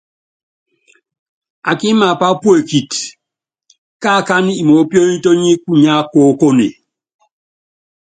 Ákí imaápa puekíti, káakánɛ́ imoópionítóní kunyá koókone.